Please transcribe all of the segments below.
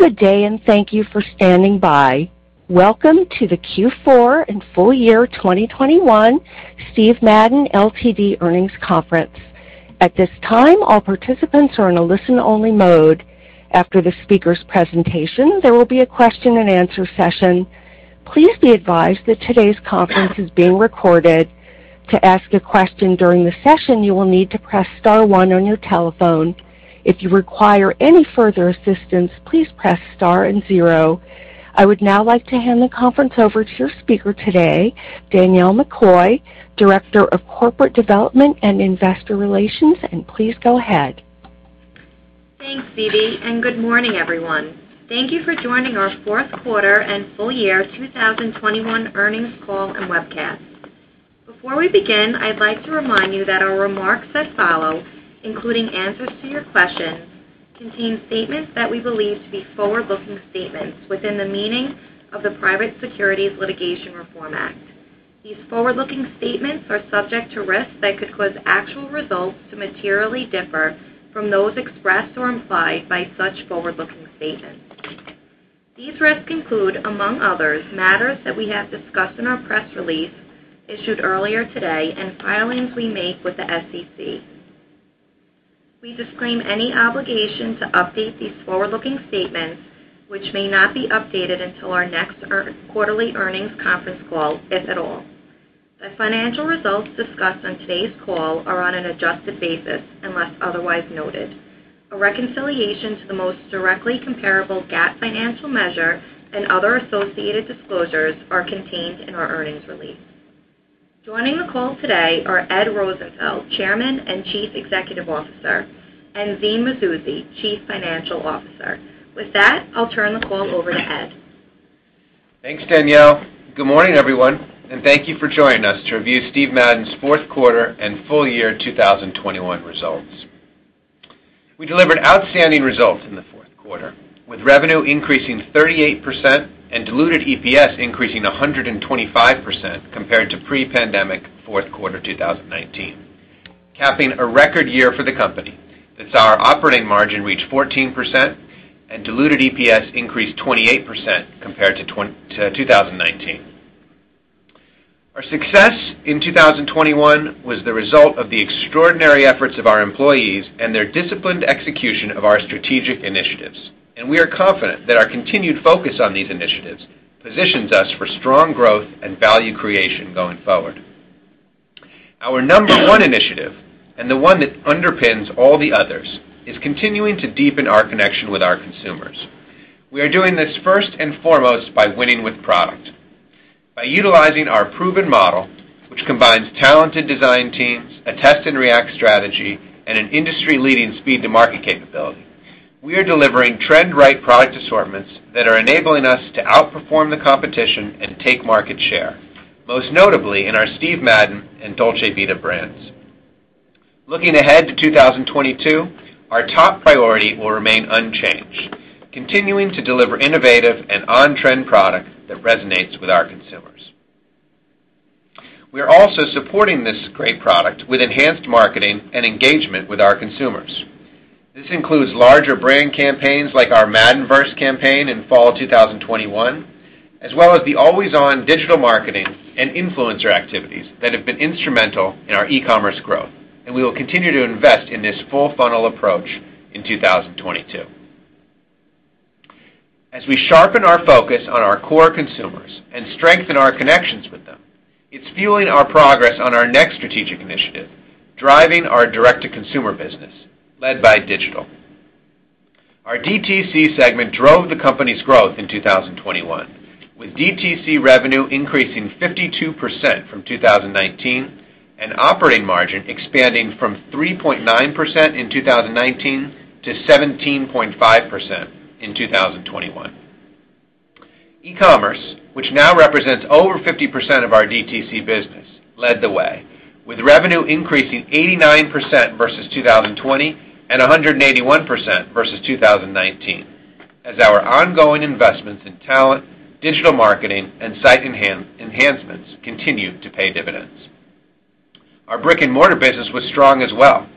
Good day, and thank you for standing by. Welcome to the Q4 and full year 2021 Steven Madden, Ltd. Earnings Conference. At this time, all participants are in a listen-only mode. After the speaker's presentation, there will be a question-and-answer session. Please be advised that today's conference is being recorded. To ask a question during the session, you will need to press star one on your telephone. If you require any further assistance, please press star and zero. I would now like to hand the conference over to your speaker today, Danielle McCoy, Director of Corporate Development and Investor Relations. Please go ahead. Thanks, Phoebe, and good morning, everyone. Thank you for joining our fourth quarter and full year 2021 earnings call and webcast. Before we begin, I'd like to remind you that our remarks that follow, including answers to your questions, contain statements that we believe to be forward-looking statements within the meaning of the Private Securities Litigation Reform Act. These forward-looking statements are subject to risks that could cause actual results to materially differ from those expressed or implied by such forward-looking statements. These risks include, among others, matters that we have discussed in our press release issued earlier today and filings we make with the SEC. We disclaim any obligation to update these forward-looking statements, which may not be updated until our next quarterly earnings conference call, if at all. The financial results discussed on today's call are on an adjusted basis, unless otherwise noted. A reconciliation to the most directly comparable GAAP financial measure and other associated disclosures are contained in our earnings release. Joining the call today are Ed Rosenfeld, Chairman and Chief Executive Officer, and Zine Mazouzi, Chief Financial Officer. With that, I'll turn the call over to Ed. Thanks, Danielle. Good morning, everyone, and thank you for joining us to review Steve Madden's fourth quarter and full year 2021 results. We delivered outstanding results in the fourth quarter, with revenue increasing 38% and diluted EPS increasing 125% compared to pre-pandemic fourth quarter 2019, capping a record year for the company that saw our operating margin reach 14% and diluted EPS increase 28% compared to 2019. Our success in 2021 was the result of the extraordinary efforts of our employees and their disciplined execution of our strategic initiatives, and we are confident that our continued focus on these initiatives positions us for strong growth and value creation going forward. Our number one initiative and the one that underpins all the others is continuing to deepen our connection with our consumers. We are doing this first and foremost by winning with product. By utilizing our proven model, which combines talented design teams, a test-and-react strategy, and an industry-leading speed-to-market capability, we are delivering trend-right product assortments that are enabling us to outperform the competition and take market share, most notably in our Steve Madden and Dolce Vita brands. Looking ahead to 2022, our top priority will remain unchanged, continuing to deliver innovative and on-trend product that resonates with our consumers. We are also supporting this great product with enhanced marketing and engagement with our consumers. This includes larger brand campaigns like our Maddenverse campaign in fall 2021, as well as the always-on digital marketing and influencer activities that have been instrumental in our e-commerce growth and we will continue to invest in this full-funnel approach in 2022. As we sharpen our focus on our core consumers and strengthen our connections with them, it's fueling our progress on our next strategic initiative, driving our direct-to-consumer business led by digital. Our DTC segment drove the company's growth in 2021, with DTC revenue increasing 52% from 2019 and operating margin expanding from 3.9 in 2019 to 17.5% in 2021. E-commerce, which now represents over 50% of our DTC business, led the way, with revenue increasing 89% versus 2020 and 181% versus 2019 as our ongoing investments in talent, digital marketing, and site enhancements continued to pay dividends. Our brick-and-mortar business was strong as well,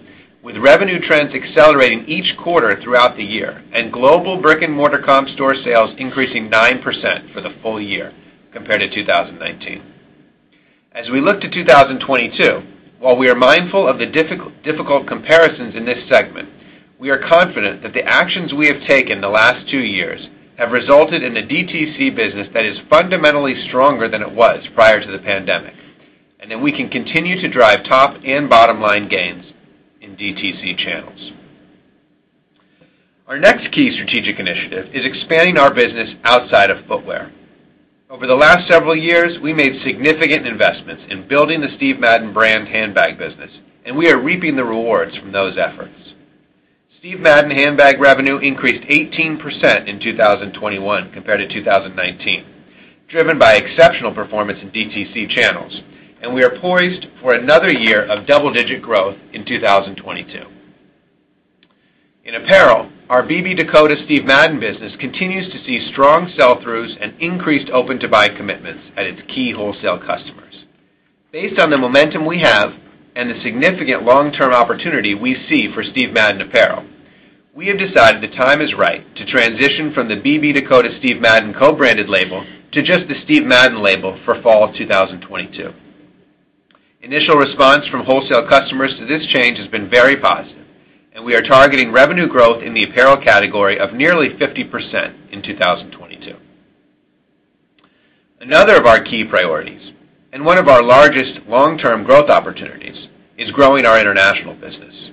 with revenue trends accelerating each quarter throughout the year and global brick-and-mortar comp store sales increasing 9% for the full year compared to 2019. As we look to 2022, while we are mindful of the difficult comparisons in this segment, we are confident that the actions we have taken the last two years have resulted in a DTC business that is fundamentally stronger than it was prior to the pandemic, and that we can continue to drive top and bottom line gains in DTC channels. Our next key strategic initiative is expanding our business outside of footwear. Over the last several years, we made significant investments in building the Steve Madden brand handbag business, and we are reaping the rewards from those efforts. Steve Madden handbag revenue increased 18% in 2021 compared to 2019, driven by exceptional performance in DTC channels, and we are poised for another year of double-digit growth in 2022. In apparel, our BB Dakota Steve Madden business continues to see strong sell-throughs and increased open-to-buy commitments at its key wholesale customers. Based on the momentum we have and the significant long-term opportunity we see for Steve Madden apparel, we have decided the time is right to transition from the BB Dakota Steve Madden co-branded label to just the Steve Madden label for fall of 2022. Initial response from wholesale customers to this change has been very positive, and we are targeting revenue growth in the apparel category of nearly 50% in 2022. Another of our key priorities, and one of our largest long-term growth opportunities, is growing our international business.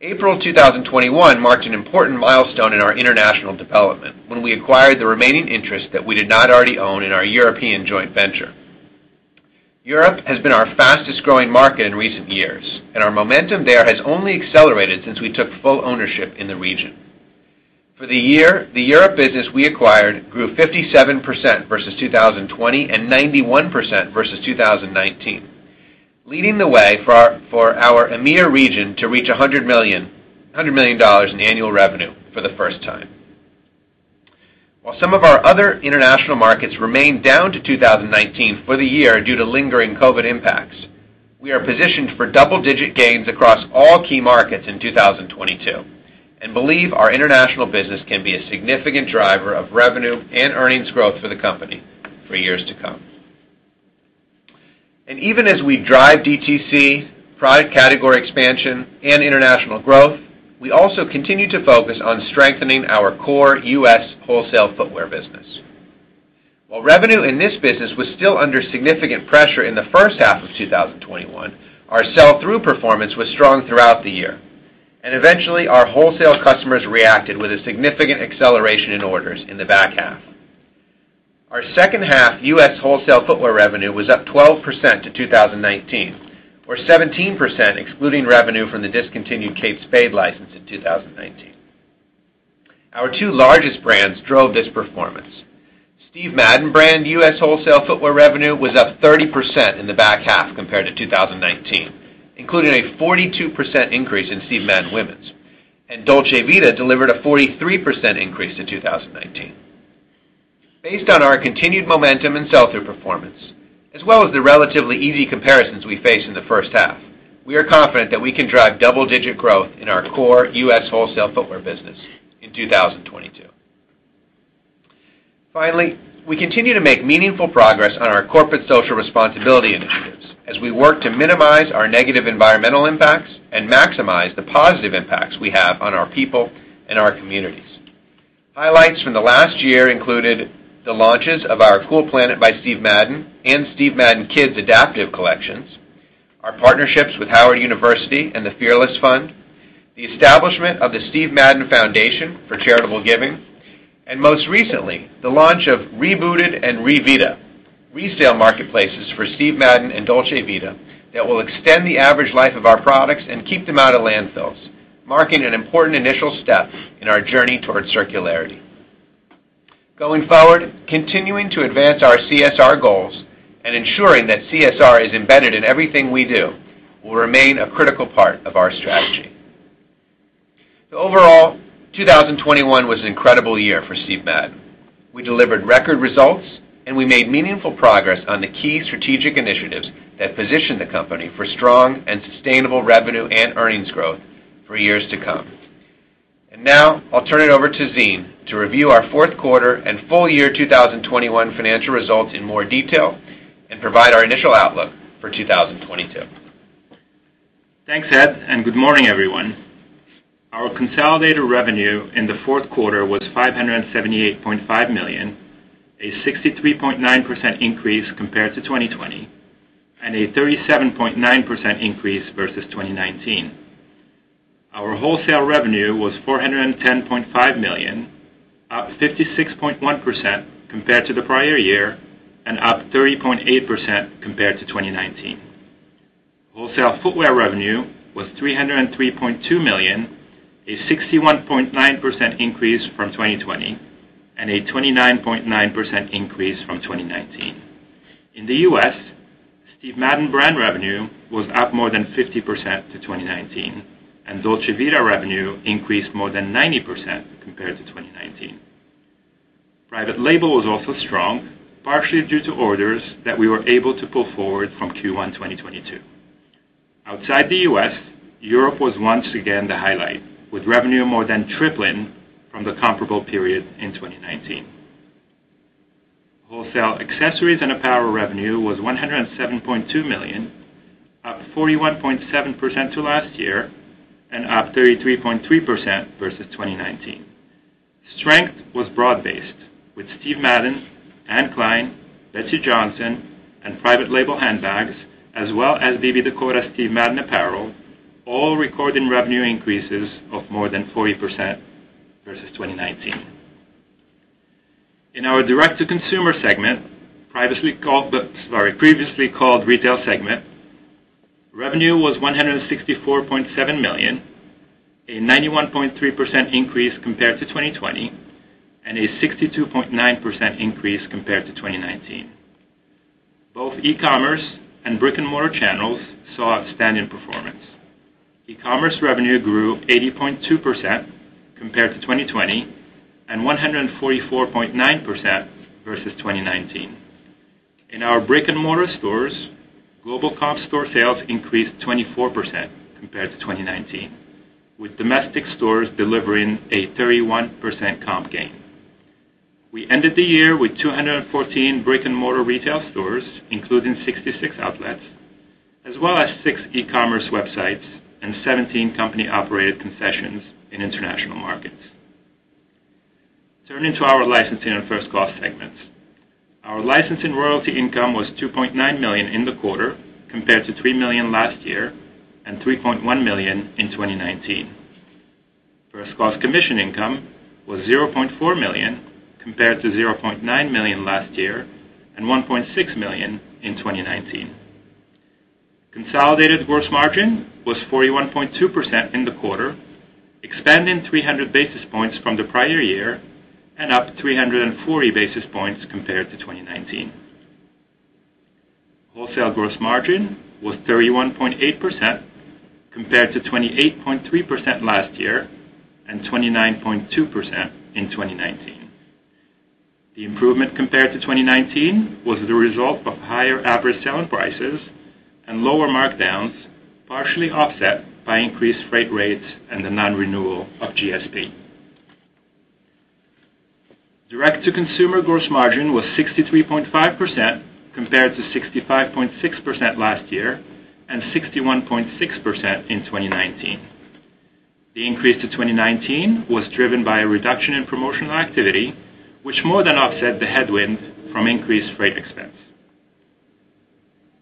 April 2021 marked an important milestone in our international development when we acquired the remaining interest that we did not already own in our European joint venture. Europe has been our fastest-growing market in recent years, and our momentum there has only accelerated since we took full ownership in the region. For the year, the Europe business we acquired grew 57% versus 2020, and 91% versus 2019, leading the way for our EMEA region to reach $100 million in annual revenue for the first time. While some of our other international markets remained down to 2019 for the year due to lingering COVID impacts, we are positioned for double-digit gains across all key markets in 2022 and believe our international business can be a significant driver of revenue and earnings growth for the company for years to come. Even as we drive DTC, product category expansion, and international growth, we also continue to focus on strengthening our core U.S. wholesale footwear business. While revenue in this business was still under significant pressure in the first half of 2021, our sell-through performance was strong throughout the year. Eventually, our wholesale customers reacted with a significant acceleration in orders in the back half. Our second half U.S. wholesale footwear revenue was up 12% to 2019 or 17% excluding revenue from the discontinued Kate Spade license in 2019. Our two largest brands drove this performance. Steve Madden brand U.S. wholesale footwear revenue was up 30% in the back half compared to 2019, including a 42% increase in Steve Madden Women's, and Dolce Vita delivered a 43% increase to 2019. Based on our continued momentum and sell-through performance, as well as the relatively easy comparisons we face in the first half, we are confident that we can drive double-digit growth in our core U.S. wholesale footwear business in 2022. Finally, we continue to make meaningful progress on our corporate social responsibility initiatives as we work to minimize our negative environmental impacts and maximize the positive impacts we have on our people and our communities. Highlights from the last year included the launches of our Cool Planet by Steve Madden and Steve Madden Kids adaptive collections, our partnerships with Howard University and the Fearless Fund, the establishment of the Steve Madden Foundation for charitable giving, and most recently, the launch of Re-Booted and Re:Vita, resale marketplaces for Steve Madden and Dolce Vita that will extend the average life of our products and keep them out of landfills, marking an important initial step in our journey towards circularity. Going forward, continuing to advance our CSR goals and ensuring that CSR is embedded in everything we do will remain a critical part of our strategy. Overall, 2021 was an incredible year for Steve Madden. We delivered record results, and we made meaningful progress on the key strategic initiatives that position the company for strong and sustainable revenue and earnings growth for years to come. Now I'll turn it over to Zine to review our fourth quarter and full year 2021 financial results in more detail and provide our initial outlook for 2022. Thanks, Ed, and good morning, everyone. Our consolidated revenue in the fourth quarter was $578.5 million, a 63.9% increase compared to 2020, and a 37.9% increase versus 2019. Our wholesale revenue was $410.5 million, up 56.1% compared to the prior year and up 30.8% compared to 2019. Wholesale footwear revenue was $303.2 million, a 61.9% increase from 2020 and a 29.9% increase from 2019. In the U.S., Steve Madden brand revenue was up more than 50% to 2019, and Dolce Vita revenue increased more than 90% compared to 2019. Private label was also strong, partially due to orders that we were able to pull forward from Q1 2022. Outside the U.S., Europe was once again the highlight, with revenue more than tripling from the comparable period in 2019. Wholesale accessories and apparel revenue was $107.2 million, up 41.7% to last year and up 33.3% versus 2019. Strength was broad-based with Steve Madden, Anne Klein, Betsey Johnson, and private label handbags, as well as BB Dakota Steve Madden apparel, all recording revenue increases of more than 40% versus 2019. In our direct-to-consumer segment, previously called retail segment, revenue was $164.7 million, a 91.3% increase compared to 2020 and a 62.9% increase compared to 2019. Both e-commerce and brick-and-mortar channels saw outstanding performance. E-commerce revenue grew 80.2% compared to 2020, and 144.9% versus 2019. In our brick-and-mortar stores, global comp store sales increased 24% compared to 2019, with domestic stores delivering a 31% comp gain. We ended the year with 214 brick-and-mortar retail stores, including 66 outlets, as well as six e-commerce websites and 17 company-operated concessions in international markets. Turning to our licensing and First Cost segments. Our licensing royalty income was $2.9 million in the quarter, compared to $3 million last year and $3.1 million in 2019. First Cost commission income was $0.4 million compared to $0.9 million last year and $1.6 million in 2019. Consolidated gross margin was 41.2% in the quarter, expanding 300 basis points from the prior year and up 340 basis points compared to 2019. Wholesale gross margin was 31.8% compared to 28.3% last year and 29.2% in 2019. The improvement compared to 2019 was the result of higher average selling prices and lower markdowns, partially offset by increased freight rates and the non-renewal of GSP. Direct-to-consumer gross margin was 63.5% compared to 65.6% last year and 61.6% in 2019. The increase to 2019 was driven by a reduction in promotional activity, which more than offset the headwind from increased freight expense.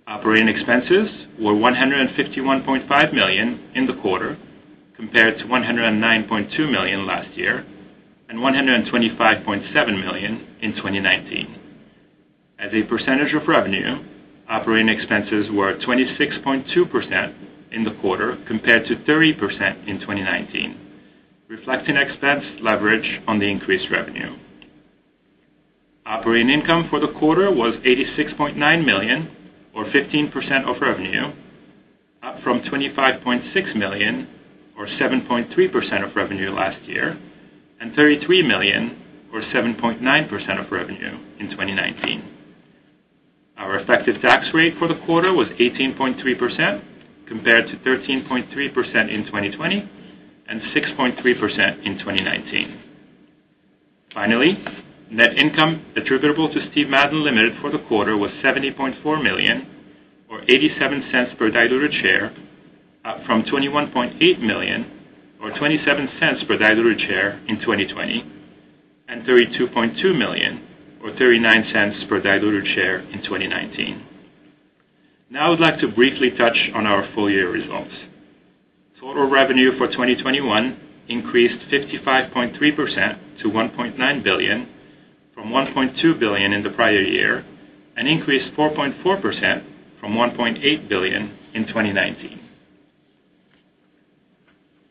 Operating expenses were $151.5 million in the quarter, compared to $109.2 million last year and $125.7 million in 2019. As a percentage of revenue, operating expenses were 26.2% in the quarter compared to 30% in 2019, reflecting expense leverage on the increased revenue. Operating income for the quarter was $86.9 million or 15% of revenue, up from $25.6 million or 7.3% of revenue last year, and $33 million or 7.9% of revenue in 2019. Our effective tax rate for the quarter was 18.3% compared to 13.3% in 2020 and 6.3% in 2019. Finally, net income attributable to Steven Madden, Ltd. for the quarter was $70.4 million or $0.87 per diluted share, up from $21.8 million or $0.27 per diluted share in 2020, and $32.2 million or $0.39 per diluted share in 2019. Now I'd like to briefly touch on our full year results. Total revenue for 2021 increased 55.3% to $1.9 billion from $1.2 billion in the prior year and increased 4.4% from $1.8 billion in 2019.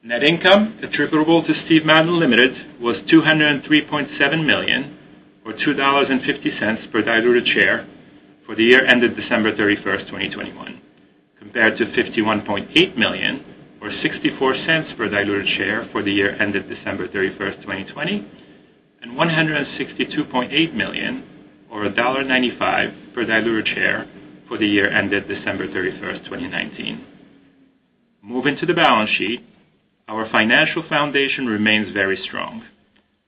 Net income attributable to Steven Madden, Ltd. was $203.7 million or $2.50 per diluted share for the year ended December 31st, 2021, compared to $51.8 million or $0.64 per diluted share for the year ended December 31, 2020, and $162.8 million or $1.95 per diluted share for the year ended December 31st, 2019. Moving to the balance sheet, our financial foundation remains very strong.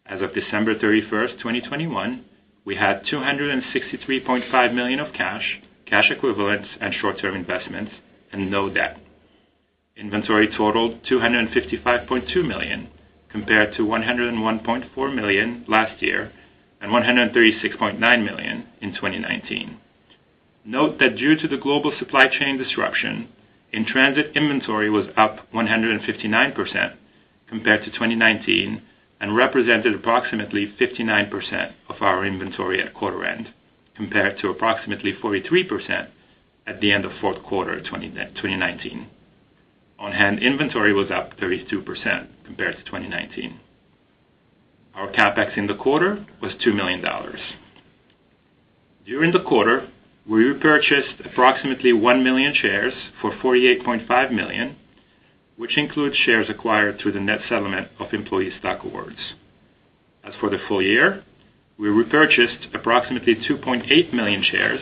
As of December 31st, 2021, we had $263.5 million of cash equivalents and short-term investments and no debt. Inventory totaled $255.2 million, compared to $101.4 million last year and $136.9 million in 2019. Note that due to the global supply chain disruption, in-transit inventory was up 159% compared to 2019 and represented approximately 59% of our inventory at quarter end, compared to approximately 43% at the end of fourth quarter 2019. On-hand inventory was up 32% compared to 2019. Our CapEx in the quarter was $2 million. During the quarter, we repurchased approximately $1 million shares for $48.5 million, which includes shares acquired through the net settlement of employee stock awards. As for the full year, we repurchased approximately $2.8 million shares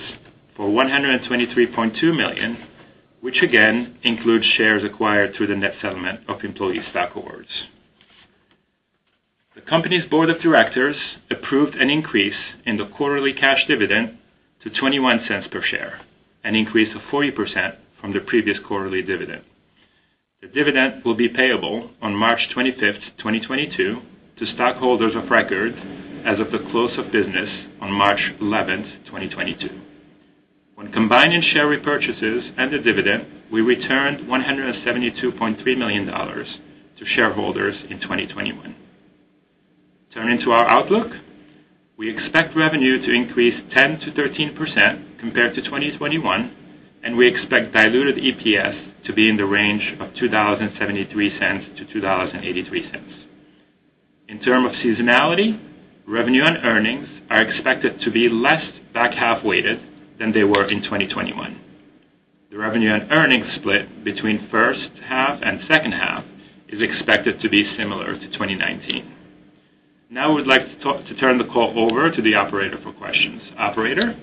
for $123.2 million, which again includes shares acquired through the net settlement of employee stock awards. The company's board of directors approved an increase in the quarterly cash dividend to $0.21 per share, an increase of 40% from the previous quarterly dividend. The dividend will be payable on March 25th, 2022 to stockholders of record as of the close of business on March 11th, 2022. When combining share repurchases and the dividend, we returned $172.3 million to shareholders in 2021. Turning to our outlook. We expect revenue to increase 10%-13% compared to 2021, and we expect diluted EPS to be in the range of $2.73-$2.83. In terms of seasonality, revenue and earnings are expected to be less back-half weighted than they were in 2021. The revenue and earnings split between first half and second half is expected to be similar to 2019. Now, we'd like to turn the call over to the operator for questions. Operator?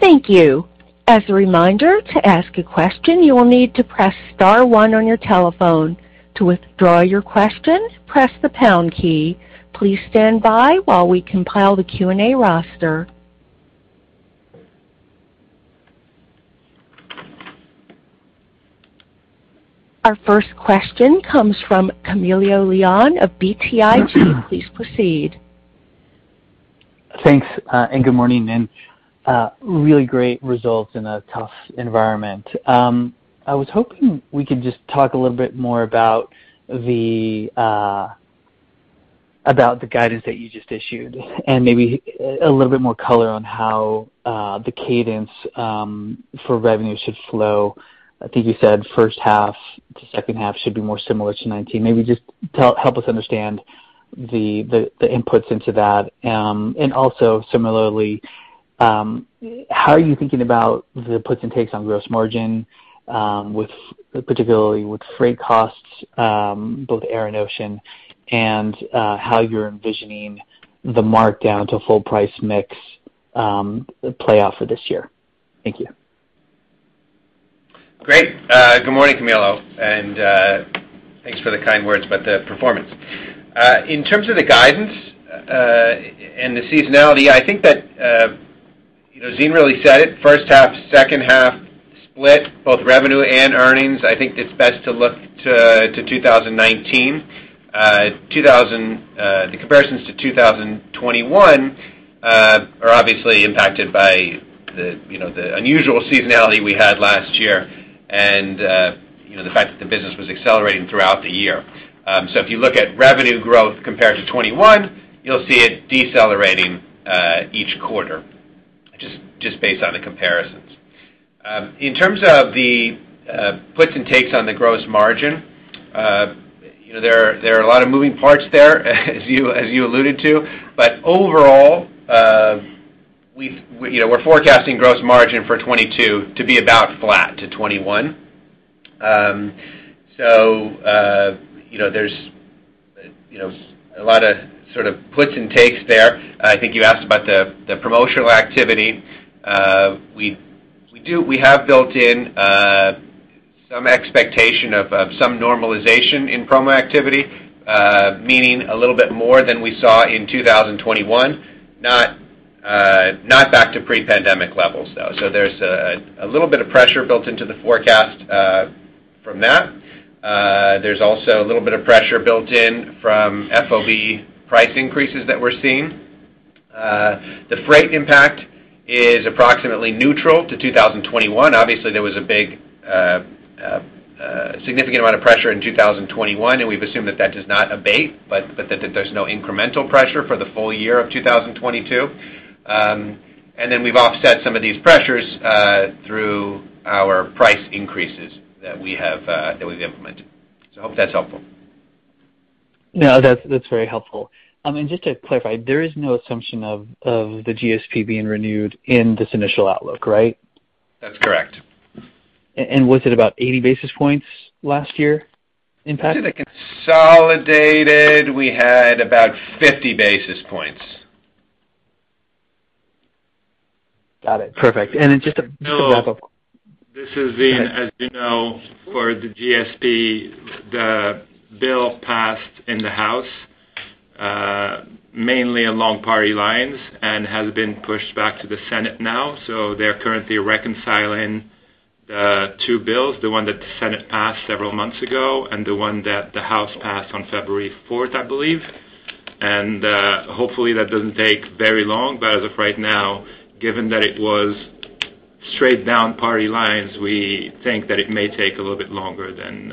Thank you. As a reminder, to ask a question, you will need to press star one on your telephone. To withdraw your question, press the pound key. Please stand by while we compile the Q&A roster. Our first question comes from Camilo Lyon of BTIG. Please proceed. Thanks and good morning. Really great results in a tough environment. I was hoping we could just talk a little bit more about the guidance that you just issued and maybe a little bit more color on how the cadence for revenue should flow. I think you said first half to second half should be more similar to 2019. Maybe just help us understand the inputs into that. Also similarly, how are you thinking about the puts and takes on gross margin, particularly with freight costs, both air and ocean, and how you're envisioning the markdown to full price mix play out for this year? Thank you. Great. Good morning, Camilo, and thanks for the kind words about the performance. In terms of the guidance and the seasonality, I think that you know, Zine really said it, first half, second half split, both revenue and earnings. I think it's best to look to 2019. The comparisons to 2021 are obviously impacted by the you know, the unusual seasonality we had last year and you know, the fact that the business was accelerating throughout the year. So if you look at revenue growth compared to 2021, you'll see it decelerating each quarter just based on the comparisons. In terms of the puts and takes on the gross margin, you know, there are a lot of moving parts there as you alluded to, but overall, we're forecasting gross margin for 2022 to be about flat to 2021. You know, there's you know, a lot of sort of puts and takes there. I think you asked about the promotional activity. We have built in some expectation of some normalization in promo activity, meaning a little bit more than we saw in 2021, not back to pre-pandemic levels, though. There's a little bit of pressure built into the forecast from that. There's also a little bit of pressure built in from FOB price increases that we're seeing. The freight impact is approximately neutral to 2021. Obviously, there was a big, significant amount of pressure in 2021, and we've assumed that does not abate, but that there's no incremental pressure for the full year of 2022. Then we've offset some of these pressures through our price increases that we have that we've implemented. I hope that's helpful. No, that's very helpful. I mean, just to clarify, there is no assumption of the GSP being renewed in this initial outlook, right? That's correct. Was it about 80 basis points last year impact? Consolidated, we had about 50 basis points. Got it. Perfect. Just to wrap up. No. This is Zine Mazouzi. As you know, for the GSP, the bill passed in the House, mainly along party lines and has been pushed back to the Senate now. They're currently reconciling the two bills, the one that the Senate passed several months ago and the one that the House passed on February 4th, I believe. Hopefully, that doesn't take very long, but as of right now, given that it was straight down party lines, we think that it may take a little bit longer than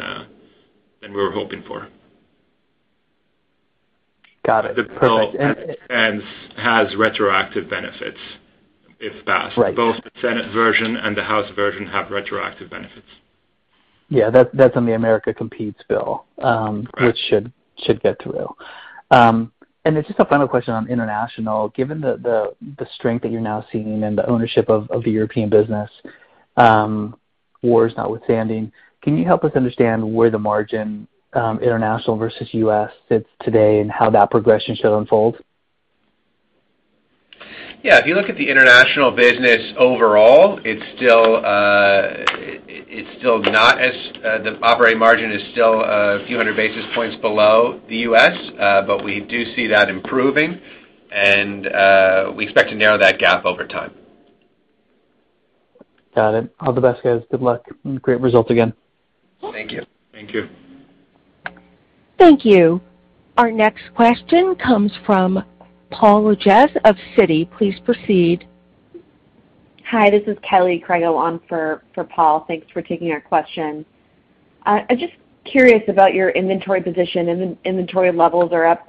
we were hoping for. Got it. Perfect. The bill, as it stands, has retroactive benefits if passed. Right. Both the Senate version and the House version have retroactive benefits. Yeah, that's on the America COMPETES bill. Right. which should get through. Then just a final question on international. Given the strength that you're now seeing and the ownership of the European business, wars notwithstanding, can you help us understand where the margin international versus U.S. sits today and how that progression should unfold? Yeah. If you look at the international business overall, the operating margin is still a few hundred basis points below the U.S., but we do see that improving, and we expect to narrow that gap over time. Got it. All the best, guys. Good luck. Great results again. Thank you. Thank you. Thank you. Our next question comes from Paul Lejuez of Citi. Please proceed. Hi, this is Kelly Crago on for Paul. Thanks for taking our question. I'm just curious about your inventory position. Inventory levels are up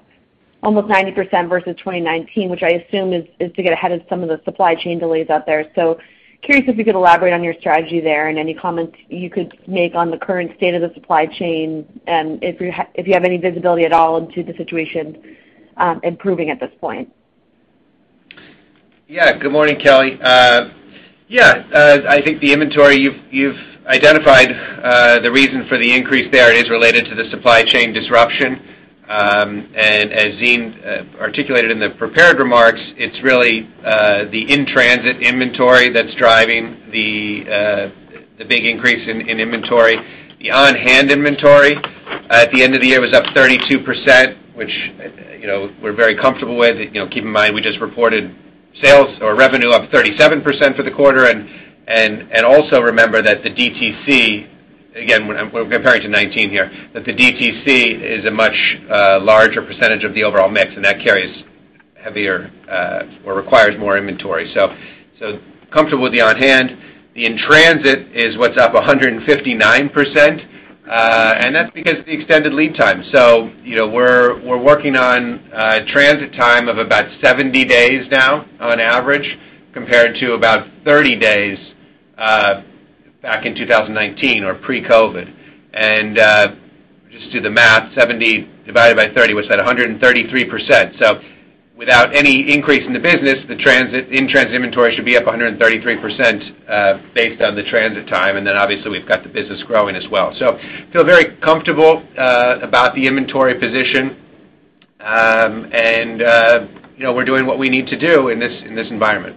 almost 90% versus 2019, which I assume is to get ahead of some of the supply chain delays out there. Curious if you could elaborate on your strategy there and any comments you could make on the current state of the supply chain and if you have any visibility at all into the situation improving at this point. Yeah. Good morning, Kelly. I think the inventory you've identified, the reason for the increase there is related to the supply chain disruption. As Zine articulated in the prepared remarks, it's really the in-transit inventory that's driving the big increase in inventory. The on-hand inventory at the end of the year was up 32%, which we're very comfortable with. You know, keep in mind, we just reported sales or revenue up 37% for the quarter. Also remember that the DTC, again, we're comparing to 2019 here, that the DTC is a much larger percentage of the overall mix and that carries heavier or requires more inventory. So comfortable with the on-hand. The in-transit is what's up 159% and that's because of the extended lead time. You know, we're working on a transit time of about 70 days now on average compared to about 30 days back in 2019 or pre-COVID. Just do the math, 70 divided by 30, what's that? 133%. Without any increase in the business, the in-transit inventory should be up 133% based on the transit time, and then obviously we've got the business growing as well. Feel very comfortable about the inventory position. You know, we're doing what we need to do in this environment.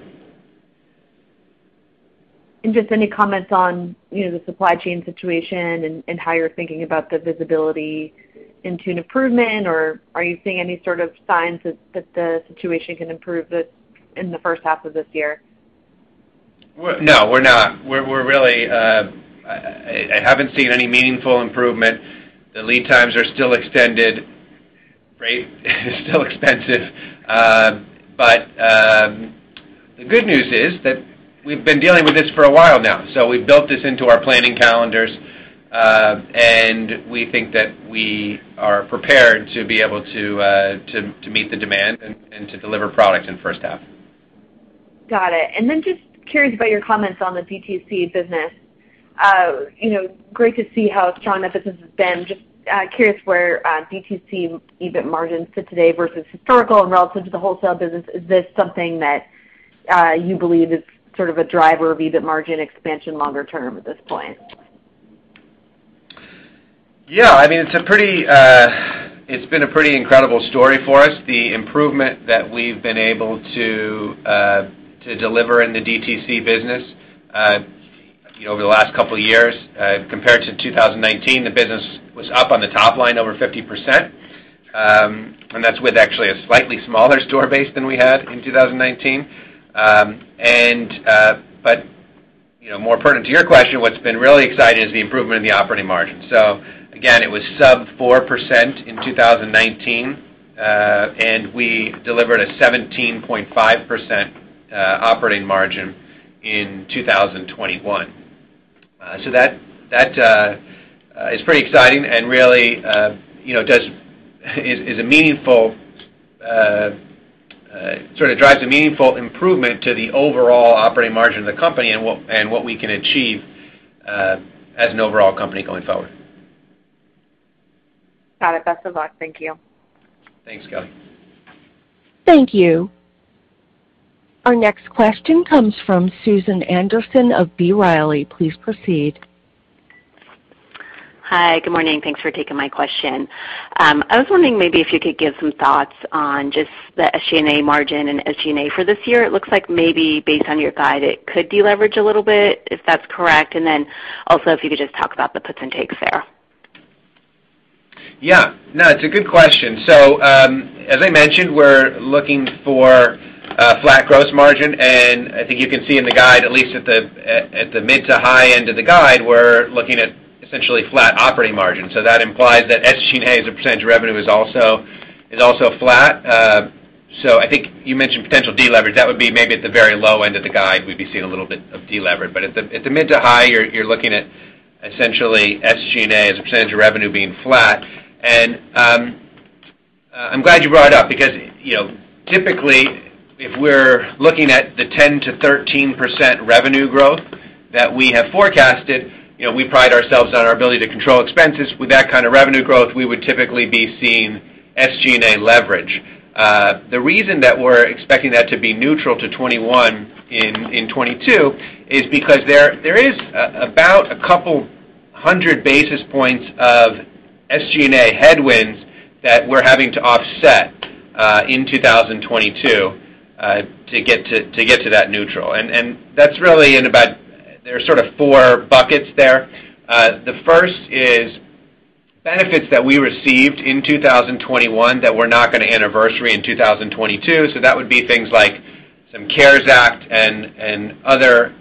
Just any comments on, you know, the supply chain situation and how you're thinking about the visibility into an improvement? Or are you seeing any sort of signs that the situation can improve this in the first half of this year? No, we're not. We're really. I haven't seen any meaningful improvement. The lead times are still extended. Freight is still expensive. The good news is that we've been dealing with this for a while now, so we've built this into our planning calendars and we think that we are prepared to be able to meet the demand and to deliver product in the first half. Got it. Just curious about your comments on the DTC business. You know, great to see how strong that business has been. Just curious where DTC EBIT margins sit today versus historical and relative to the wholesale business. Is this something that you believe is sort of a driver of EBIT margin expansion longer term at this point? Yeah, I mean, it's been a pretty incredible story for us, the improvement that we've been able to to deliver in the DTC business, you know, over the last couple of years. Compared to 2019, the business was up on the top line over 50%, and that's with actually a slightly smaller store base than we had in 2019. You know, more pertinent to your question, what's been really exciting is the improvement in the operating margin. Again, it was sub 4% in 2019, and we delivered a 17.5% operating margin in 2021. That is pretty exciting and really, you know, is a meaningful sort of drives a meaningful improvement to the overall operating margin of the company and what we can achieve as an overall company going forward. Got it. Best of luck. Thank you. Thanks, Kelly. Thank you. Our next question comes from Susan Anderson of B. Riley. Please proceed. Hi. Good morning. Thanks for taking my question. I was wondering maybe if you could give some thoughts on just the SG&A margin and SG&A for this year. It looks like maybe based on your guide, it could deleverage a little bit, if that's correct. Also if you could just talk about the puts and takes there. Yeah. No, it's a good question. As I mentioned, we're looking for a flat gross margin and I think you can see in the guide, at least at the mid to high end of the guide, we're looking at essentially flat operating margin. That implies that SG&A as a percentage of revenue is also flat. I think you mentioned potential deleverage. That would be maybe at the very low end of the guide, we'd be seeing a little bit of deleverage. At the mid to high, you're looking at essentially SG&A as a percentage of revenue being flat. I'm glad you brought it up because, you know, typically, if we're looking at the 10%-13% revenue growth that we have forecasted, you know, we pride ourselves on our ability to control expenses. With that kind of revenue growth, we would typically be seeing SG&A leverage. The reason that we're expecting that to be neutral to 2021 in 2022 is because there is about a couple hundred basis points of SG&A headwinds that we're having to offset in 2022 to get to that neutral. That's really in about. There are sort of four buckets there. The first is benefits that we received in 2021 that we're not gonna anniversary in 2022, so that would be things like some CARES Act and other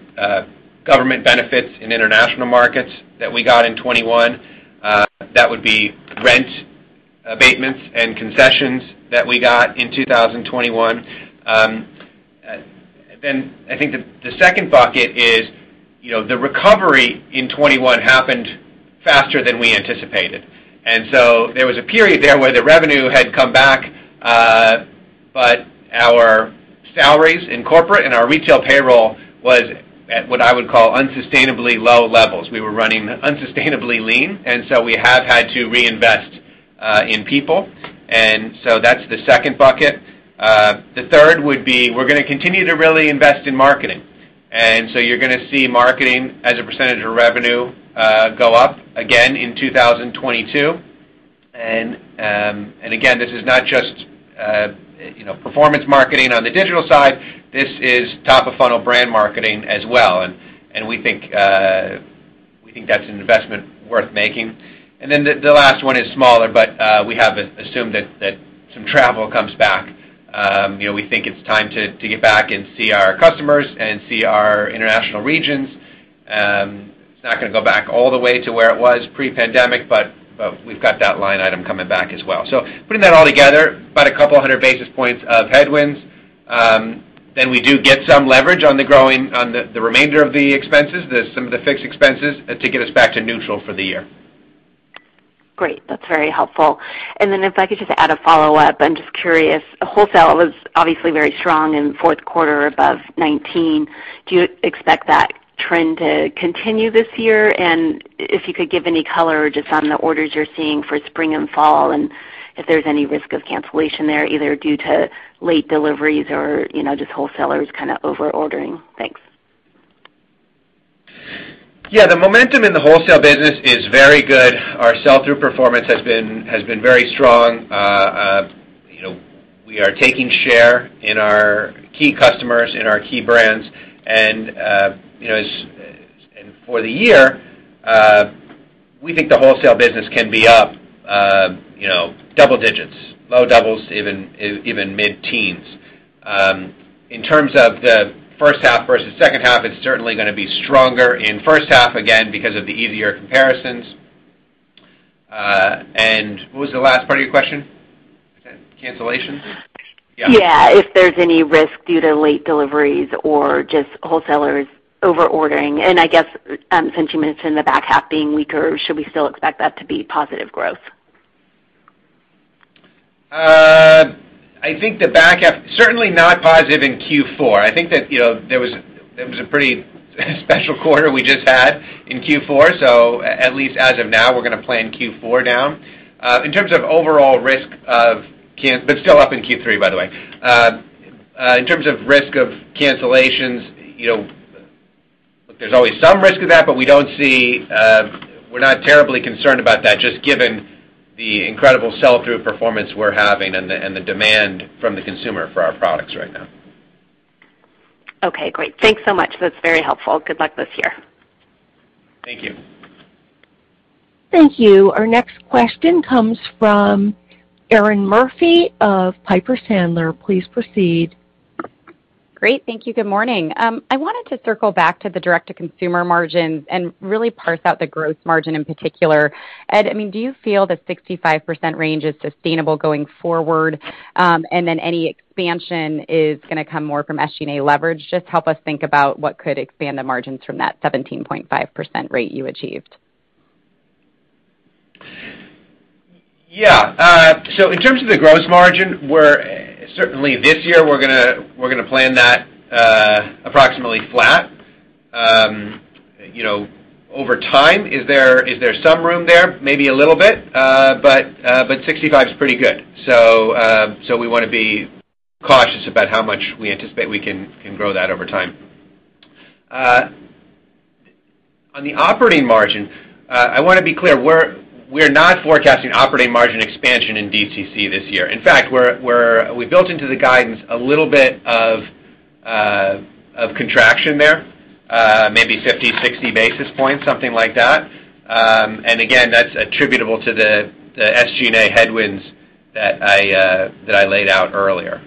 government benefits in international markets that we got in 2021. That would be rent abatements and concessions that we got in 2021. I think the second bucket is, you know, the recovery in 2021 happened faster than we anticipated. There was a period there where the revenue had come back, but our salaries in corporate and our retail payroll was at what I would call unsustainably low levels. We were running unsustainably lean, we have had to reinvest in people. That's the second bucket. The third would be, we're gonna continue to really invest in marketing. You're gonna see marketing as a percentage of revenue go up again in 2022. Again, this is not just, you know, performance marketing on the digital side. This is top of funnel brand marketing as well. We think that's an investment worth making. Then the last one is smaller, but we have assumed that some travel comes back. You know, we think it's time to get back and see our customers and see our international regions. It's not gonna go back all the way to where it was pre-pandemic, but we've got that line item coming back as well. Putting that all together, about 200 basis points of headwinds, then we do get some leverage on the remainder of the expenses, some of the fixed expenses, to get us back to neutral for the year. Great. That's very helpful. If I could just add a follow-up. I'm just curious, wholesale was obviously very strong in fourth quarter above 19%. Do you expect that trend to continue this year? If you could give any color just on the orders you're seeing for spring and fall and if there's any risk of cancellation there, either due to late deliveries or, you know, just wholesalers kinda over-ordering. Thanks. Yeah. The momentum in the wholesale business is very good. Our sell-through performance has been very strong. You know, we are taking share in our key customers in our key brands. You know, for the year, we think the wholesale business can be up, you know, double digits, low doubles, even mid-teens. In terms of the first half versus second half, it's certainly gonna be stronger in first half, again, because of the easier comparisons. What was the last part of your question? Was that cancellations? Yeah. Yeah, if there's any risk due to late deliveries or just wholesalers over-ordering. I guess, since you mentioned the back half being weaker, should we still expect that to be positive growth? I think the back half certainly not positive in Q4. I think that, you know, it was a pretty special quarter we just had in Q4. At least as of now, we're gonna plan Q4 down but still up in Q3, by the way. In terms of risk of cancellations, you know, there's always some risk of that, but we're not terribly concerned about that just given the incredible sell-through performance we're having and the demand from the consumer for our products right now. Okay, great. Thanks so much. That's very helpful. Good luck this year. Thank you. Thank you. Our next question comes from Erinn Murphy of Piper Sandler. Please proceed. Great. Thank you. Good morning. I wanted to circle back to the direct-to-consumer margins and really parse out the gross margin in particular. Ed, I mean, do you feel the 65% range is sustainable going forward? Then any expansion is gonna come more from SG&A leverage. Just help us think about what could expand the margins from that 17.5% rate you achieved. So in terms of the gross margin, we're certainly this year, we're gonna plan that approximately flat. You know, over time, is there some room there? Maybe a little bit. 65% is pretty good. We wanna be cautious about how much we anticipate we can grow that over time. On the operating margin, I wanna be clear, we're not forecasting operating margin expansion in DTC this year. In fact, we built into the guidance a little bit of contraction there, maybe 50-60 basis points, something like that. Again, that's attributable to the SG&A headwinds that I laid out earlier.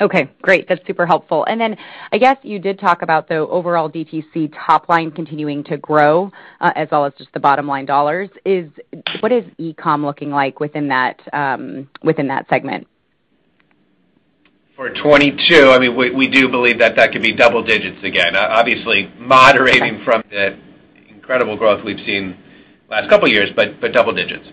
Okay, great. That's super helpful. I guess you did talk about the overall DTC top line continuing to grow, as well as just the bottom line dollars. What is e-com looking like within that segment? For 2022, I mean, we do believe that could be double digits again. Obviously moderating from the incredible growth we've seen last couple years, but double digits.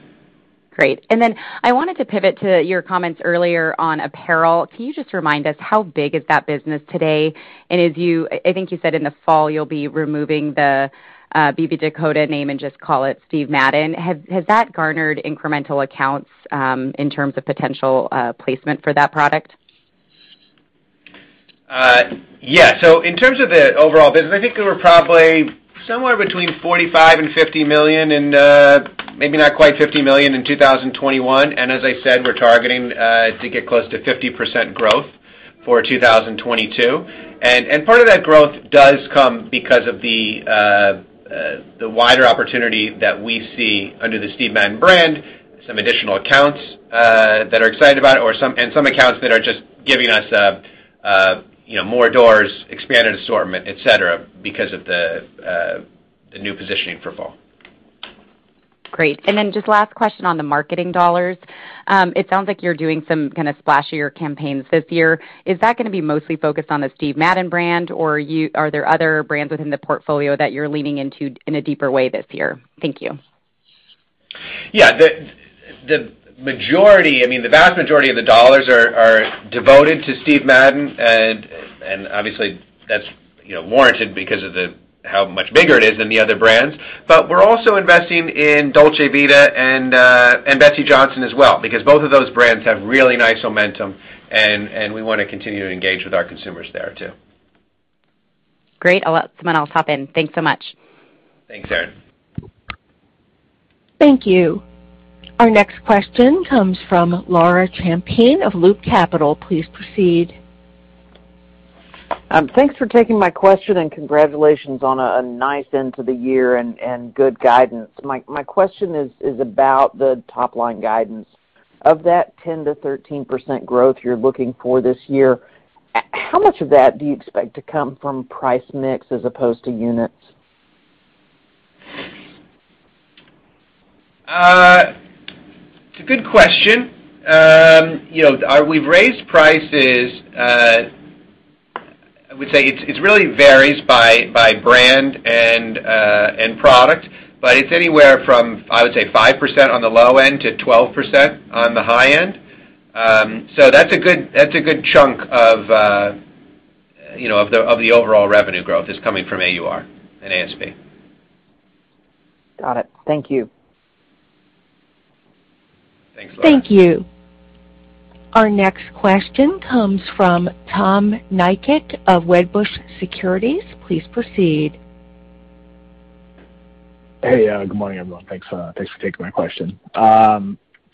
Great. Then I wanted to pivot to your comments earlier on apparel. Can you just remind us how big is that business today? As you, I think you said in the fall you'll be removing the BB Dakota name and just call it Steve Madden. Has that garnered incremental accounts, in terms of potential placement for that product? Yeah. In terms of the overall business, I think we were probably somewhere between $45 million and $50 million in, maybe not quite $50 million in 2021. As I said, we're targeting to get close to 50% growth for 2022. Part of that growth does come because of the wider opportunity that we see under the Steve Madden brand, some additional accounts that are excited about it or some accounts that are just giving us, you know, more doors, expanded assortment, et cetera, because of the new positioning for fall. Great. Just last question on the marketing dollars. It sounds like you're doing some kind of splashier campaigns this year. Is that gonna be mostly focused on the Steve Madden brand, or are there other brands within the portfolio that you're leaning into in a deeper way this year? Thank you. Yeah. The majority, I mean, the vast majority of the dollars are devoted to Steve Madden and obviously that's, you know, warranted because of how much bigger it is than the other brands. We're also investing in Dolce Vita and Betsey Johnson as well because both of those brands have really nice momentum, and we wanna continue to engage with our consumers there too. Great. I'll let someone else hop in. Thanks so much. Thanks, Erinn. Thank you. Our next question comes from Laura Champine of Loop Capital. Please proceed. Thanks for taking my question, and congratulations on a nice end to the year and good guidance. My question is about the top-line guidance. Of that 10%-13% growth you're looking for this year, how much of that do you expect to come from price mix as opposed to units? It's a good question. You know, we've raised prices. I would say it really varies by brand and product but it's anywhere from 5% on the low end to 12% on the high end. That's a good chunk of you know of the overall revenue growth is coming from AUR and ASP. Got it. Thank you. Thanks, Laura. Thank you. Our next question comes from Tom Nikic of Wedbush Securities. Please proceed. Hey, good morning, everyone. Thanks for taking my question.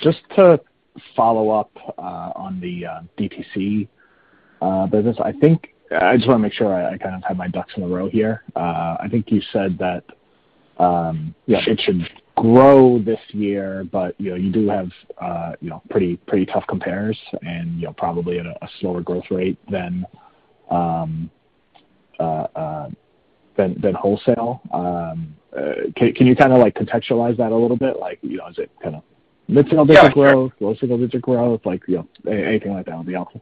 Just to follow up on the DTC business, I just wanna make sure I kind of have my ducks in a row here. I think you said that it should grow this year, but you know, you do have you know, pretty tough compares and you know, probably at a slower growth rate than wholesale. Can you kinda like contextualize that a little bit? Like you know, is it kinda mid-single digit growth? Yeah, sure. Low single digit growth? Like, you know, anything like that would be helpful.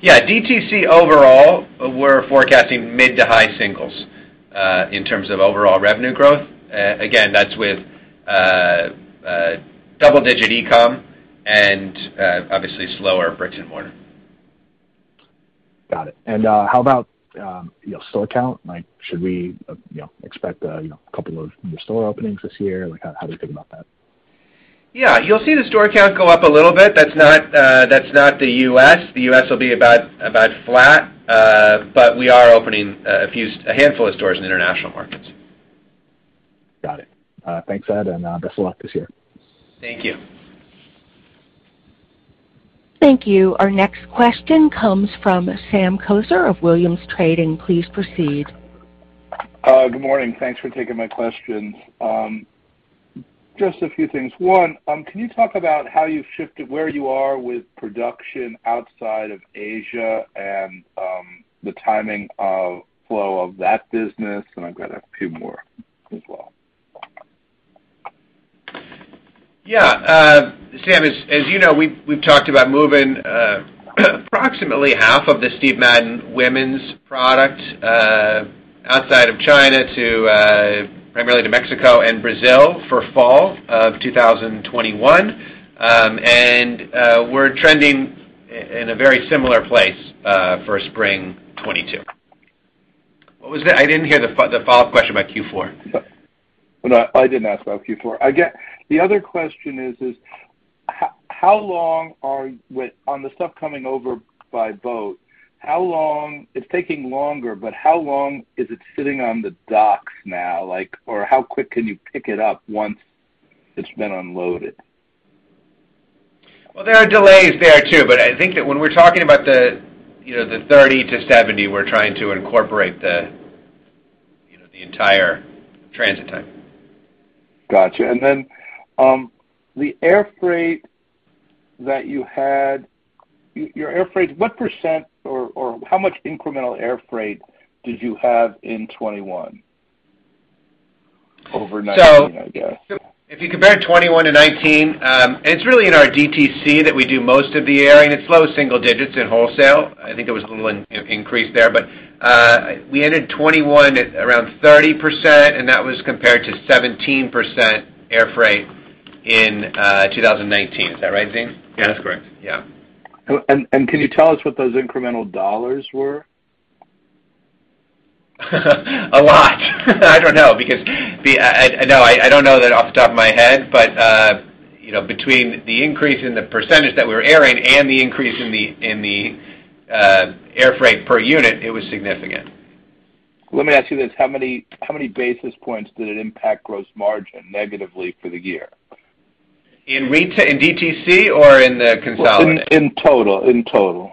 Yeah. DTC overall, we're forecasting mid- to high-single-digit% in terms of overall revenue growth. Again, that's with double-digit e-com and obviously slower brick-and-mortar. Got it. You know, store count? Like, should we you know, expect a you know, couple of new store openings this year? Like, how do we think about that? Yeah. You'll see the store count go up a little bit. That's not the U.S. The U.S. will be about flat but we are opening a handful of stores in international markets. Got it. Thanks, Ed, and best of luck this year. Thank you. Thank you. Our next question comes from Sam Poser of Williams Trading. Please proceed. Good morning. Thanks for taking my questions. Just a few things. One, can you talk about how you've shifted where you are with production outside of Asia and the timing of flow of that business? I've got a few more as well. Yeah. Sam, as you know, we've talked about moving approximately half of the Steve Madden women's product outside of China primarily to Mexico and Brazil for fall 2021. We're trending in a very similar place for spring 2022. I didn't hear the follow-up question about Q4. No, I didn't ask about Q4. The other question is how long are we waiting on the stuff coming over by boat. It's taking longer, but how long is it sitting on the docks now? Like, or how quick can you pick it up once it's been unloaded? Well, there are delays there too, but I think that when we're talking about the, you know, the 30-70, we're trying to incorporate the, you know, the entire transit time. Gotcha. The air freight that you had, your air freight, what percent or how much incremental air freight did you have in 2021 over 2019, I guess? If you compare 2021 to 2019, and it's really in our DTC that we do most of the air, and it's low single digits in wholesale. I think there was a little you know increase there. We ended 2021 at around 30%, and that was compared to 17% air freight in 2019. Is that right, Zine? Yeah, that's correct. Yeah. Can you tell us what those incremental dollars were? A lot. I don't know that off the top of my head. You know, between the increase in the percentage that we were airing and the increase in the air freight per unit, it was significant. Let me ask you this. How many basis points did it impact gross margin negatively for the year? In DTC or in the consolidated? Well, in total.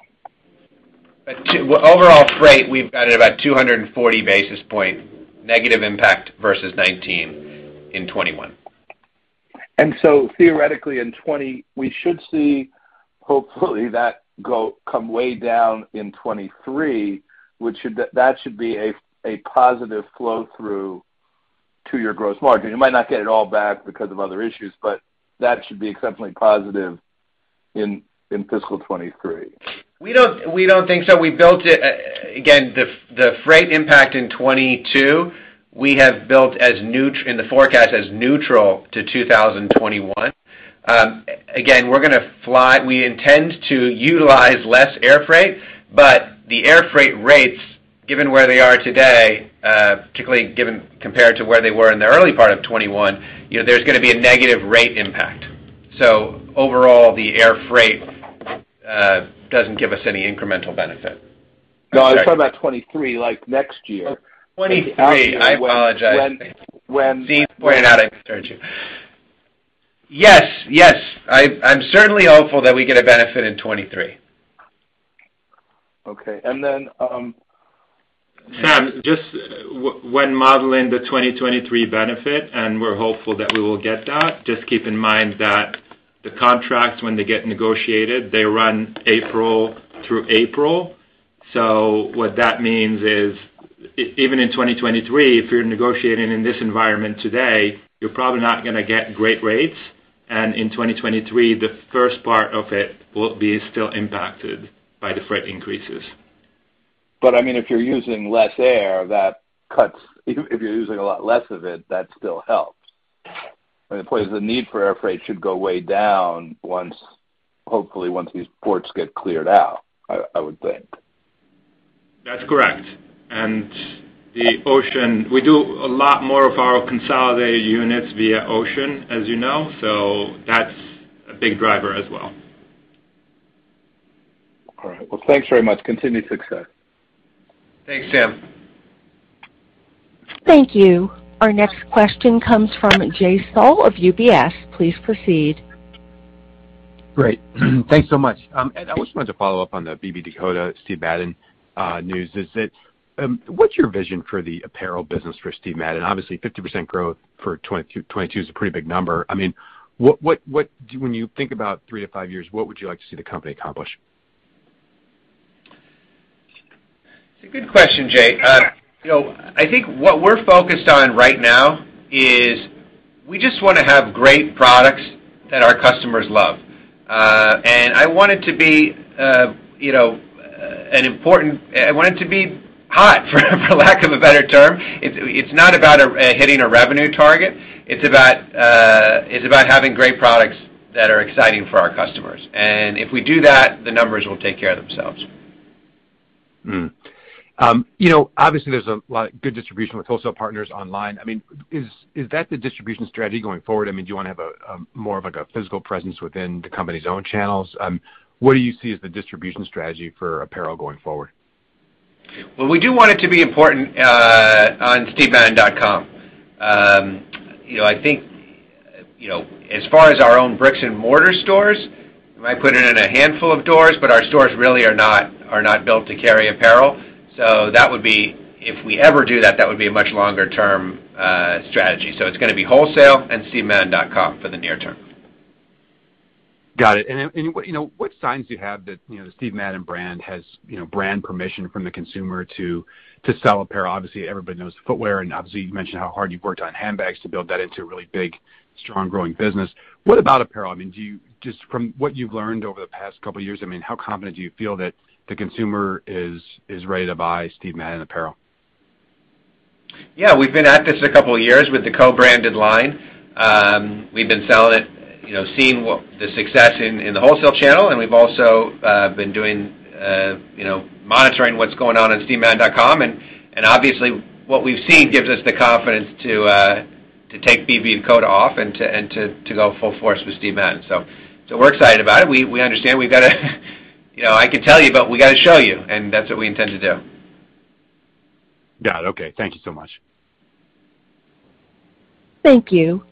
Overall freight, we've got at about 240 basis point negative impact versus 2019 in 2021. Theoretically in 2020, we should see hopefully that come way down in 2023, that should be a positive flow through to your gross margin. You might not get it all back because of other issues but that should be exceptionally positive in fiscal 2023. We don't think so. We built it. Again, the freight impact in 2022, we have built it as neutral in the forecast as neutral to 2021. Again, we intend to utilize less air freight, but the air freight rates, given where they are today, particularly given compared to where they were in the early part of 2021, you know, there's gonna be a negative rate impact. Overall, the air freight doesn't give us any incremental benefit. No, I was talking about 2023, like next year. Oh, 2023. I apologize. When, when- Steve pointed out. I turned to. Yes. I'm certainly hopeful that we get a benefit in 2023. Okay. Sam, just when modeling the 2023 benefit, and we're hopeful that we will get that, just keep in mind that the contracts when they get negotiated, they run April through April. What that means is even in 2023, if you're negotiating in this environment today, you're probably not gonna get great rates. In 2023, the first part of it will be still impacted by the freight increases. I mean, if you're using less air, that cuts. If you're using a lot less of it, that still helps. The point is the need for air freight should go way down once, hopefully once these ports get cleared out, I would think. That's correct. The ocean, we do a lot more of our consolidated units via ocean, as you know, so that's a big driver as well. All right. Well, thanks very much. Continued success. Thanks, Sam. Thank you. Our next question comes from Jay Sole of UBS. Please proceed. Great. Thanks so much. I just wanted to follow up on the BB Dakota Steve Madden news. Is that, what's your vision for the apparel business for Steve Madden? Obviously, 50% growth for 2022 is a pretty big number. I mean, when you think about three to five years, what would you like to see the company accomplish? It's a good question, Jay. You know, I think what we're focused on right now is we just wanna have great products that our customers love. I want it to be hot, for lack of a better term. It's not about hitting a revenue target. It's about having great products that are exciting for our customers. If we do that, the numbers will take care of themselves. You know, obviously there's a lot good distribution with wholesale partners online. I mean, is that the distribution strategy going forward? I mean, do you wanna have more of like a physical presence within the company's own channels? What do you see as the distribution strategy for apparel going forward? Well, we do want it to be important on stevemadden.com. You know, I think as far as our own bricks and mortar stores, we might put it in a handful of doors but our stores really are not built to carry apparel. That would be, if we ever do that would be a much longer term strategy. It's gonna be wholesale and stevemadden.com for the near term. Got it. You know, what signs do you have that the Steve Madden brand has brand permission from the consumer to sell apparel? Obviously, everybody knows the footwear and obviously, you've mentioned how hard you've worked on handbags to build that into a really big, strong, growing business. What about apparel? I mean, just from what you've learned over the past couple years, I mean, how confident do you feel that the consumer is ready to buy Steve Madden apparel? Yeah. We've been at this a couple of years with the co-branded line. We've been selling it, you know, seeing what the success in the wholesale channel, and we've also been doing, you know, monitoring what's going on in stevemadden.com. Obviously, what we've seen gives us the confidence to take BB Dakota off and go full force with Steve Madden. We're excited about it. We understand we've gotta show you, and that's what we intend to do. Got it. Okay. Thank you so much. Thank you.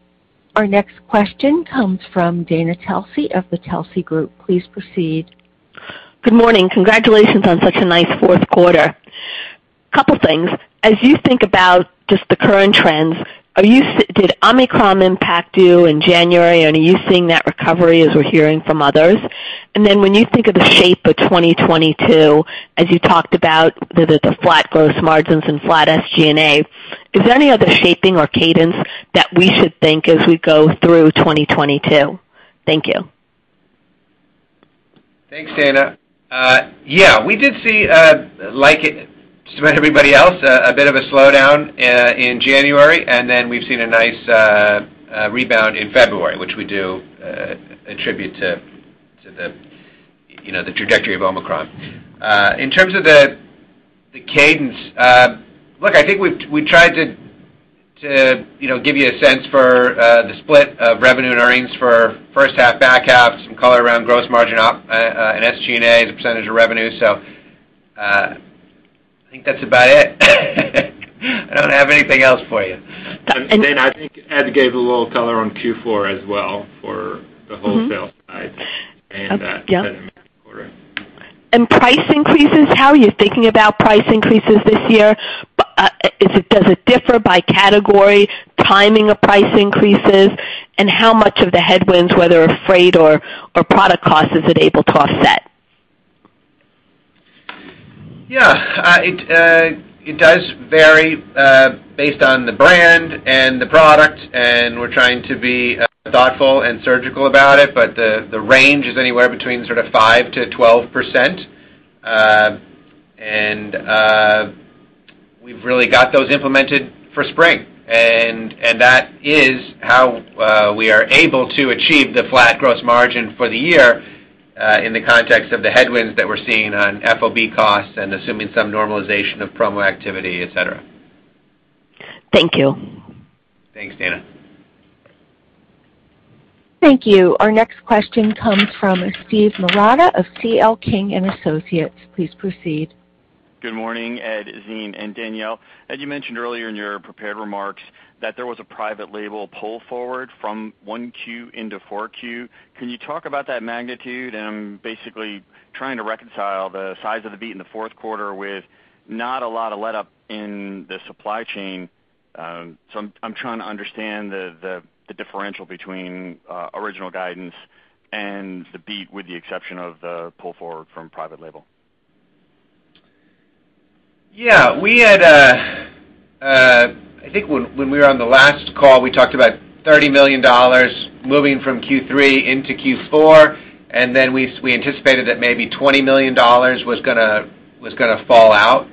Our next question comes from Dana Telsey of the Telsey Group. Please proceed. Good morning. Congratulations on such a nice fourth quarter. Couple things. As you think about just the current trends, did Omicron impact you in January, and are you seeing that recovery as we're hearing from others? When you think of the shape of 2022, as you talked about the flat growth margins and flat SG&A, is there any other shaping or cadence that we should think as we go through 2022? Thank you. Thanks, Dana. Yeah, we did see, like just about everybody else, a bit of a slowdown in January and then we've seen a nice rebound in February, which we do attribute to the trajectory of Omicron. In terms of the cadence, look, I think we've tried to give you a sense for the split of revenue and earnings for first half, back half, some color around gross margin and SG&A as a percentage of revenue. I think that's about it. I don't have anything else for you. Dana, I think Ed gave a little color on Q4 as well for the wholesale side and, Okay. Yep. Price increases, how are you thinking about price increases this year? Does it differ by category, timing of price increases? How much of the headwinds, whether freight or product costs, is it able to offset? Yeah, it does vary based on the brand and the product and we're trying to be thoughtful and surgical about it, but the range is anywhere between sort of 5%-12%. We've really got those implemented for spring. That is how we are able to achieve the flat gross margin for the year, in the context of the headwinds that we're seeing on FOB costs and assuming some normalization of promo activity, et cetera. Thank you. Thanks, Dana. Thank you. Our next question comes from Steve Marotta of C.L. King & Associates. Please proceed. Good morning, Ed, Zine and Danielle. Ed, you mentioned earlier in your prepared remarks that there was a private label pull forward from 1Q into 4Q. Can you talk about that magnitude? I'm basically trying to reconcile the size of the beat in the fourth quarter with not a lot of letup in the supply chain. I'm trying to understand the differential between original guidance and the beat, with the exception of the pull forward from private label. Yeah. We had, I think when we were on the last call, we talked about $30 million moving from Q3 into Q4, and then we anticipated that maybe $20 million was gonna fall out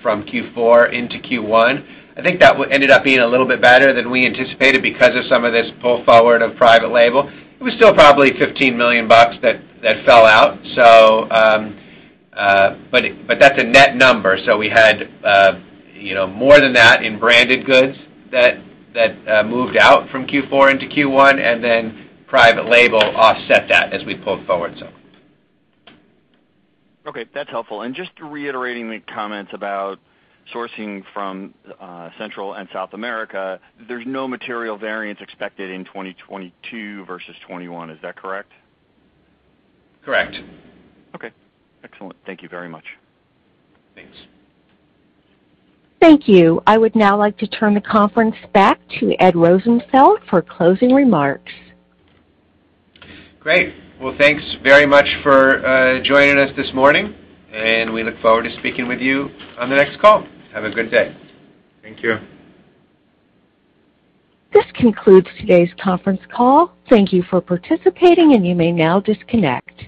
from Q4 into Q1. I think that one ended up being a little bit better than we anticipated because of some of this pull forward of private label. It was still probably $15 million that fell out. That's a net number. We had, you know, more than that in branded goods that moved out from Q4 into Q1, and then private label offset that as we pulled forward, so. Okay, that's helpful. Just reiterating the comments about sourcing from Central and South America, there's no material variance expected in 2022 versus 2021. Is that correct? Correct. Okay, excellent. Thank you very much. Thanks. Thank you. I would now like to turn the conference back to Ed Rosenfeld for closing remarks. Great. Well, thanks very much for joining us this morning, and we look forward to speaking with you on the next call. Have a good day. Thank you. This concludes today's conference call. Thank you for participating, and you may now disconnect.